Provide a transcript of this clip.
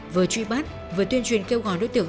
vừa truy bắt vừa tuyên truyền kêu gọi đối tượng